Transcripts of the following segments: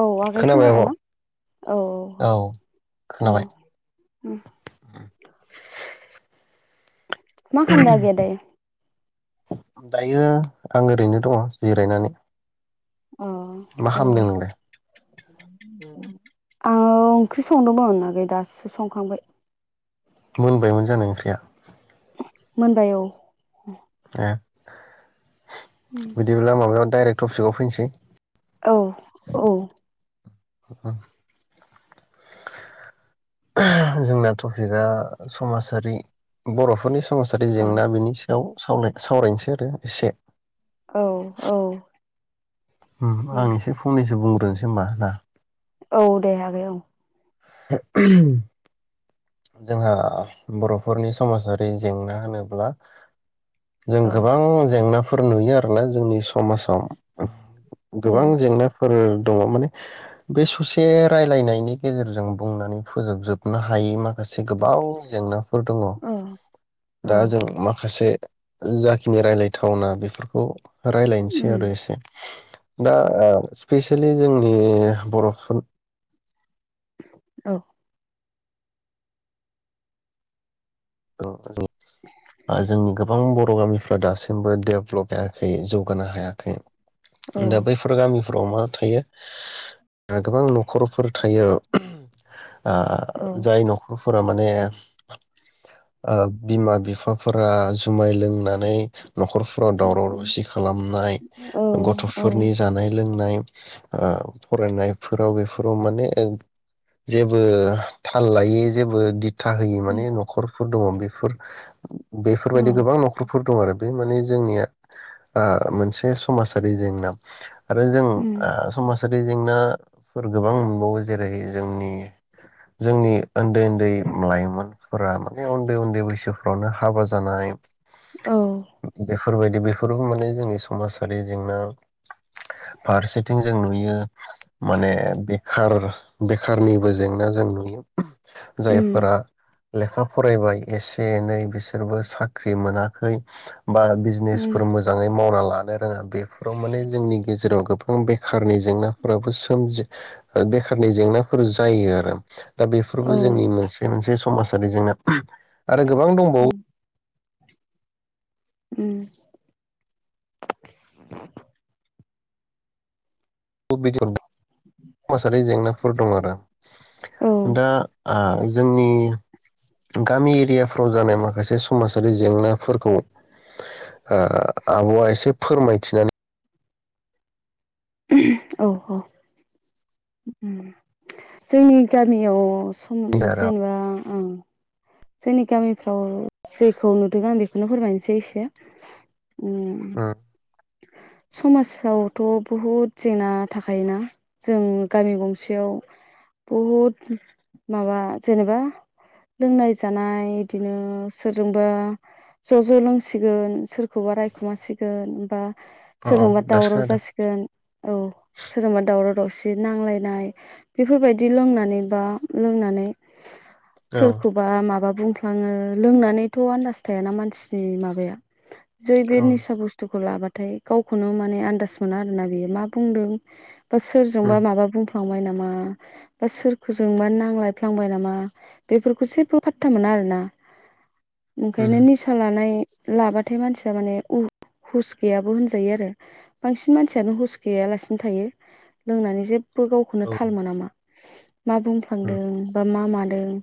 औ आगै खोनाबाय खोनादोंना आब'? औ औ औ खोनाबाय। उम। मा खालामदों आगैया दायो। दायो आं ओरैनो दङ जिरायनानै। अ मा औ। खालामदों नोंलाय? आङो ओंख्रि संदोंमोन आगै दासो संखांबाय। मोनबायमोन जानो ओंख्रिया। मोनबाय औ। ए। बिदिब्ला माबायाव। डाइरेक्ट टफिकआव फैसै। औ औ। अ। जोंना टपिकआ समाजारि बर'फोरनि समाजारि जेंना बेनि सायाव। सावराय-सावरायनोसै आरो एसे। औ औ। उम आं एसे फंनैसो बुं बुंनोसै होनबा ना। औ दे आगै औ। [inaudible] जोंहा बर'फोरनि समाजारि जेंना होनोब्ला जों औ गोबां जेंना फोर नुयो आरोना जोंनि समाजाव। औ गोबां जेंनाफोर दङ माने बे ससे रायलायनायनि गेजेरजों बुंनानै फोजोबजोबनो हायि माख ओ गोबाव जेंनाफोर दङ औ औ दा जों माखासे जाखिनि रायलायथावना बेफोरखौ रायलायनोसै आरो एसे। दा ओ सिफेसिलि जोंनि बर'फोर औ। औ [unintelligible] ओ जोंनि गोबां ब र' गामिफ्रा दासिमबो डेभलप जायाखै जौगानो हायाखै। उम दा बैफोर गामिफोराव मा थायो आ गोबां न'खरफोर थायो। आ जाय न'खरफोरा मान नेर ओ बिमा बिफाफोरा जुमाय लोंनानै न'खरफोराव दावराव दावसि खालामनाय ओ गथ'फोरनि जानाय लोंनाय ओ फरायनायफोराव बेफोराव माने जेबो थाल लायै जेबो दि था औ होयि माने न'खर फोर दङ। बेफोर बेफोरबायदि गोबां न'खरफोर दं आरो बे माने जोंनिया आ मोनसे समाजारि जेंना आरो जों आ समाज थासारि जेंनाफोर गोबां मोनबावो जेरै जोंनि जोंनि ओन्दै ओन्दै लाइमोनफोरा मा माने उन्दै उन्दै बैसोफ्रावनो हाबा जानाय। औ फोरबायदि बेफोरबो माने जोंनि समाजारि जेंना फारसेथिं जों नुयो माने बे खार बेखारनिबो जेंना जों नुयो। जायफोरा लेखा फरायबाय एसे एनै बिसोरबो साख्रि मोनाखै। बा बिजनेसफोर मोजाङै मावना मानो रोङा बेफोराव माने जोंनि गेजेराव गोबां आं बेखारनि जेंनाफोराबो सोमजि बेखारनि जेंनाफोर जायो आरो दा बेफोरबो जोंनि मोनसे मोनसे समाज जारि जेंना [inaudible] आरो गोबां दंबावो। उम बेनि अनगा समाजारि जेंनाफोर दं आरो दा जोंनि गामि एरियाफ्राव जानाय माखासे समाजारि जेंनाफोरखौ आब'आ एसे फोरमायथिनानै औ औ जोंनि गामियाव होयो आरो जेनेबा ओम जोंनि गामिफ्राव जेखौ नुदों आं बेखौनो फोरमायनोसै एसे उम समाजावथ' बहुद जेंना थाखायोना जों गामि गंसेयाव बहुद माबा जेनेबा लोंनाय जानाय बिदिनो सोरजोंबा ज' ज' लोंसिगोन सोरखौबा रायखुमासिगोन बा अ सोरजोंबा दासो दावराव खोनादों जासिगोन औ सोरजोंबा दावराव दावसि मसे नांलायनाय बेफोरबायदि लोंनानै बा लोंनानै औ सोरखौबा माबा बुंफ्लाङो लोंनानैथ' आन्दास थायाना मानसिनि माबाया। जै बे औ निसा बुस्थु लाबाथाय गावखौनो माने आदास मोना आरोना बेयो मा बुंदों। बा उम सोरजोंबा माबा बुंफांबाय नामा। मा बा सोरजों मा नांलायफ्लांबाय नामा बेफोरखौ जेबो फाता मोना आरोना‌। ओंखायनो उम निसा लानाय लाबाथाय मानसिया माने उ हुस गैयाबो होनजायो आरो बांसिन मानसियानो हुस गैयालासिनो थायो लोंनानै जेब बो गावखौनो औ थाल उम मोनामा। मा उम बुंफ्लांदों बा मा मानो दों।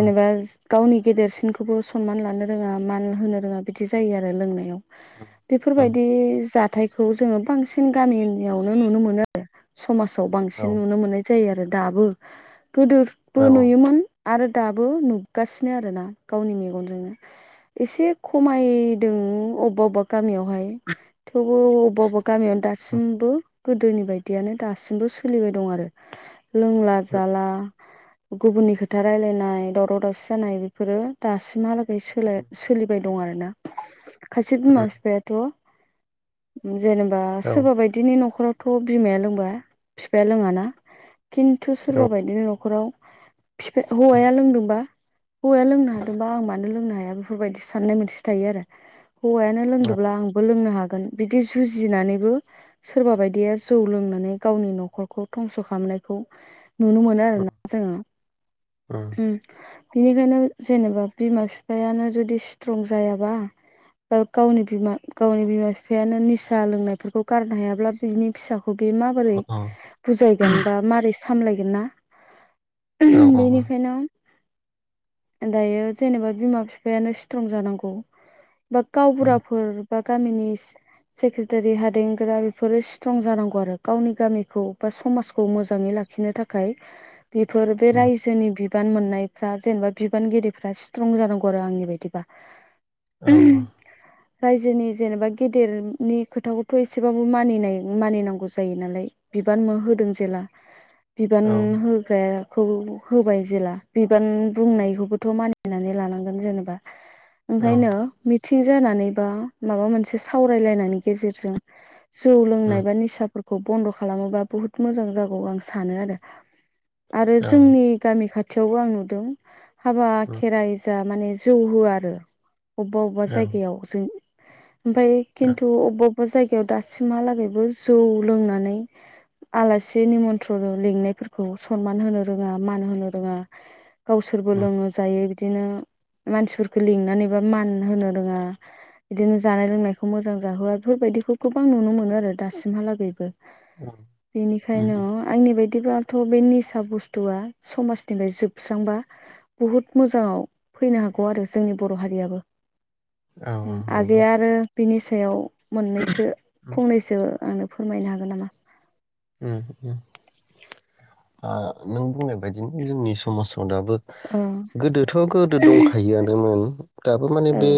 उम गावनि गेदेरसिनखौबो सनमान लानो रोङा मान होनो रोङा बिदि जायो आरो लोंनायाव। उम बेफोरबायदि जा हाथायखौ जोङो बांसिन गामिनियावनो नुनो मोनो आरो। समाजाव औ बांसिन नुनो मोननाय जायो आरो दाबो। गोदोबो औ नुयोमोन। आरो दाबो नुगासिनो आरोना गावनि मेगनजोंनो एसे खमायदों बबेबा गामियावहाय। थेवबो अबेबा अबेबा गामियावनो उम दासिमबो गोदोनि बायदियानो दासिमबो सोलिबाय दं आरो। लोंला जाला गुबुननि खोथा रायलायनाय दावराव दावसि जानाय बेफोरो दासिमहाला जरै सोलाय सोलिबाय दं आरो ना। बिमा उम उम बिफायाथ' [inaudible] जेनेबा औ सोरबा बायदिनि न'खराव थ' बिमाया लोंबाय बिफाया लोङाना खिन्थु सोरबा बायदिनो न'खराव हौवाया लोंदोंबा हौवाया लोंनो हादोंबा आं मानो लोंनो हाया बेफोरबायदि साननाय मोनसे थायो आरो। हौवायानो लोंदोंब्ला आंबो लोंनो हागोन गोन बिदि जुजिनानैबो सोरबा बायदिया जौ लोंनानै गावनि न'खरखौ धंस' खालामनायखौ नुनो मोनो आरोोना जोङो बिनिखायनो जेनेबा बिमा बिफायानो जुदि स्ट्रं जायाबा बा गावनि बिमा गावनि बिमा बिफायानो निसा लोंनायफोरखौ गारनो हायाब्ला बिनि फिसाखौ खौ बे माबोरै बुफायगोन बा मारै सामलायगोन ना। औ बेनिखायनो दायो जेनेबा बिमा बिफायानो स्ट्रं जानांगौ। बा उम गावबुराफोर बा गामिनि सेक्रेटारि हादेंग्रा बेफोरो स्ट्रं जानांगौ आरो गावनि गामिखौ बा समाजखौ मोजाङै लाखिनो थाखाय। बेफोर बे उम रायजोनिढ बिबान मोननायफ्रा जेनेबा बिबानगिरिफ्रा स्ट्रं जानांगौ आरो आंनि बायदिबा औ औ रायजोनि जेनेबा गेदेरनि खोथाखौथ' एसेबाबो मानिनाय मानिनांगौ जायो नालाय बिबान म होदों जेला बिबान औ उम औ उम औ उम औ होग्राया खौ होबाय जेला बिबान बुंनायखौबोथ' मानिनानै लानांगोन जेनेबा। ओंखायनो थिग जानानै बा माबा मोनसे सावरायलायनायनि गेजेरजों जौ लोंनाय बा निसाफोरखौ खौ बन्द' खालामोबा बुहुत मोजां जागौ आं सानो आरो। आरो जोंनि गामि खाथि थेवबो आं नुदों। हाबा खेराइ जा माने जौ होया आरो। अबेबा अबा जायगायाव जों ओमफ्राय खिनथु बे जायगायाव दासिमहालागैबो जौ लोंनानै आलासि निमन्त्रन लिंनायफोरखौ सनमान होनो रोङा मान होनो रोङा गावसोरबो उम लोङो जायो बिदिनो मानसिफोरखौ लिंनानैबा मान होनो रोङा बिदिनो जानाय लोंनायखौ मोजां जाहोआ बेफोरबायदिखौ गोबां नुनो मोनो आरो दासिमहालागैबो। उम उम बेनिखायनो उम आंनि बायदि बिदिबाथ बे निसा बुस्थुआ समाजनिफ्राय जोबस्रांबा बुहुद मोजाङाव फैनो हागौ आरो जोंनि बर हारियाबो। औ उम नंगौ आगैया आरो बिनि सायाव मोननैसो उम फंनैसो आंनो फोरमायनो हागोन नामा? उम उम आ नों बुंनाय बेदिनो जोंनि समाजाव दाबो औ गोदोथ' गोदो दंखायोआनोमोन दाबो माने औ बे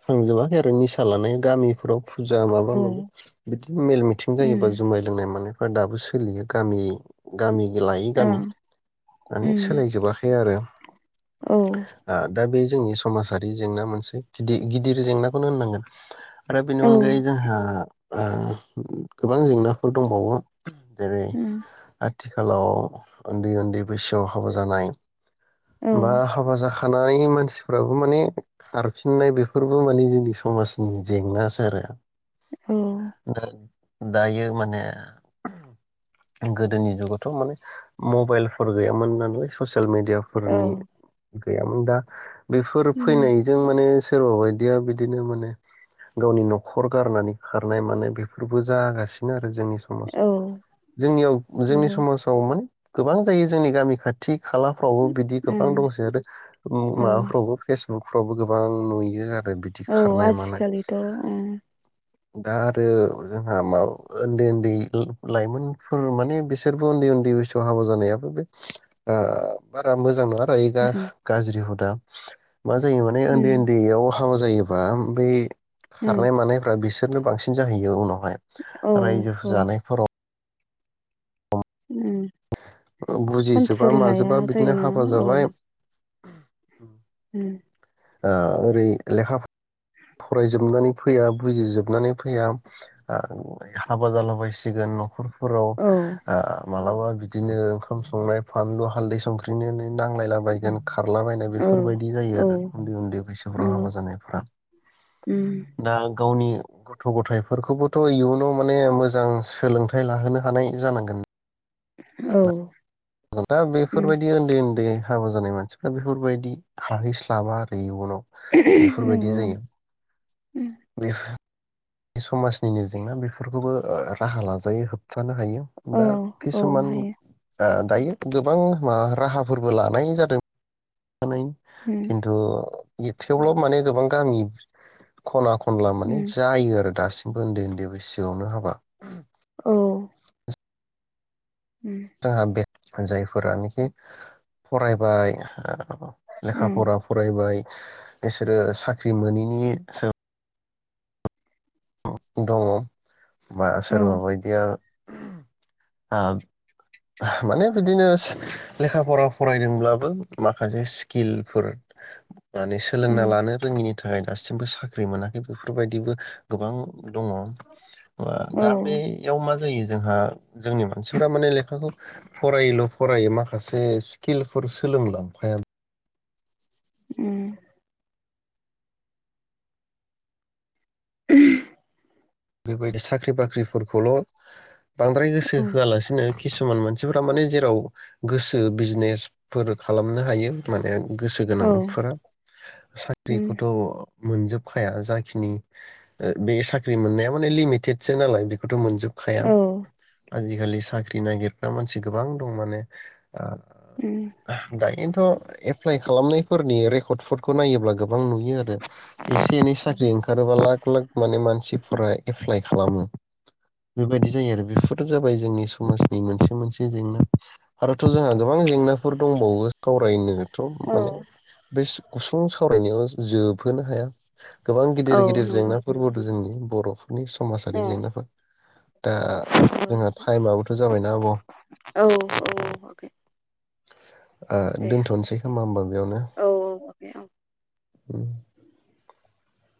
थांजोबाखै आरो निसा लानाय गामिफोराव फुजा माबा औ माबि बिदि मेल मिथिं उम जायोबा मानायफोरा दाबो सोलियो गामि गामि। लायै औ गामि माने उम सोलायजोबाखै आरो। औ ओ दा बे जोंनि समाजारि जेंना मोनसे गिद गिदिर जेंनाखौनो होननांगोन। आरो बेनि औ अनगायै जोंहा ओह गोबां जेंना फोर दंबावो जेरै उम ओ आथिखालाव उन्दै उन्दै बैसोआव हाबा जानाय औ बा हाबा जाख खानाय मानसिफ्राबो माने खारफिननाय बेफोरबो माने जोंनि समाजनि जेंनासो आरो औ दा दायो माने गोदोनि जुगावथ माने मबाइलफोर गैयामोन नालाय ससियेल मिडिया औ फोरनि गैयामोन दा बेफोर उम फैनायजों माने सो सोरबा बायदिया बिदिनो माने गावनि नखर गारनानै खारनाय मानाय बेफोरबो जागासिनो आरो आरो जोंनि समाजाव औ जोंनियाव जोंनि नंगौ समाजाव माने गोबां जायो जोंनि गामि खाथि खालाफ्राव बिदि गोबां उम दंसै आरो ओ औ माबाफ्रावबो फेसबुक फ्रावबो गोबां नुयो आरो औ खारनाय मानाय आजिखालिथ' ओ। दा आरो जोंहा म उन्दै उन्दै लाइमोनफोर माने बिसोरबो उन्दै उन्दै बैसोआव हाबा जानायाबो बे ओ बारा मोजां नङा ग उम गाज्रिहुदा [inaudible] मा जायो माने उन्दै उन्दैयाव हाबा जायोबा बै उम खारनाय मानायफ्रा बिस सोरनो बांसिन जाहैयो उनाव औ रायजो औ जानायफोराव उम बुजिजोबा कन्ट्रल हाया माजोबा बिदिनो जायोना हाबा औ जाबाय [inaudible] उम ओ ओरै लेखा फरायजोबनानै फैया बुजिजोबनानै फैया हाबा जालाबायसिगोन न'खर फोराव औ ओ मालाबा बिदिनो ओंखाम संनाय फानलु हालदै संख्रिनिनो नांलायलाबायायगोन खारलाबायनाय औ बेफोरबायदि जायो औ आरो उन्दै उन्दै बैसोफ्राव नंगौ हाबा जानायफ्रा उम दा गावनि गथ' गथायाइफोरखौबोथ' इयुनाव माने मोजां सोलोंथाइ लाहोनो हानाय जानांगोन औ जों दा उम बेफोरबायदि ओन्दै ओन्दै हाबा जानाय मानसिफ्रा बेफोरबायदि हाहैस्लाबा आरो इयुनाव बेफोरबायदि नंगौ जायो बे समाजनिनो जेंना बेफोरखौबो राहा लाजायो होबथानो हायो औ दा औ किसुमान हायो ओ दायो गोबां मा राहाफोरबो लानाय जादों [unintelligible] उम खिन्थु ए थेवब्लाबो माने गोबां गामि खना खनला माने उम जायो आरो दासि बो ओन्दै ओन्दै बैसोआवनो हाबा औ उम जोंहा बे जायफोरानोखि फरायबाय लेखा उम फरा फरायबाय बिसोरो साख्रि मोनैनि सो दङ। बा औ सोरबा बायदिया आ माने बिदिनो लेखा फरा फरायदोंब्लाबो माखासे स्किलफोर माने सोलोंना उम लानो रोङिनि थाखाय दासिमबो साख्रि मोनाखै बेफोरबायदिबो गोबां दङ औ दा उम औ बेयाव मा [unintelligible] जोंहा जोंनि मानसिफोरा माने लेखा खौ फरायोल' फरायो माखासे स्किलफोर सोलोंलांफाया उम [unintelligible] बेबायदि साख्रि बाख्रिफोरखौल' बांद्राय गोसो होआलासिनो किसुमान मानसि मानसिफोरा माने जेराव गोसो बिजनेसफोर खालामनो हायो माने गोसो उम गोनांफोरा साख्रिखौथ' मोनजोबखाया जाखिनि बे साख्रि मोननायाव माने लिमिटेसो नालाय बेखौथ' मोनजोब खाया औ आजिखालि साख्रि नागिरग्रा मानसि गोबां दं माने ओ उम दायोनोथ' एफ्लाइ खालामनायफोरनि रेख फटफटखौ नायोब्ला गोबां नुयो आरो एसे एनै साख्रि ओंखारोबाला लाक माने मानसिफ्राय एफ्लाइ खालामो बेबायदि जायो आरो बेफोरो जाबाय जोंनि समाजनि मोनसे मोनसे जेंना आरोथ' जोंहा गोबां जेंनाफोर दंबावो कावरायनोथ' औ माने बेस गुसुं सावरायनायावनो ज जोबहोनो हाया गोबां औ गिदिर गिदिर नंगौ जेंनाफोरबोथ' जोंनि बर'फ नि समाजारि औ जेंनाफोर दा जोंहा थाइमआबोथ' जाबायना आब' औ अके [unintelligible] आ दे दोन्थ'नोसै खोमा होमबा बेयावनो औ औ अके औ उम